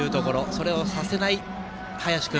それをさせない林君。